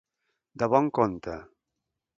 De bon compte.